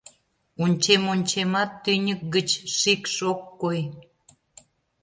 Ончем-ончемат, тӱньык гыч шикш ок кой.